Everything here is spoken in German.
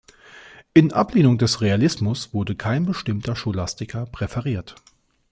In Ablehnung des Realismus wurde kein bestimmter Scholastiker präferiert.